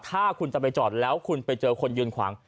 ถ้าคุณจะไปจอดแล้วคุณไปเจอคนยืนขวาง